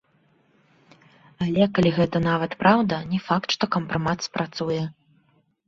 Але, калі гэта нават праўда, не факт, што кампрамат спрацуе.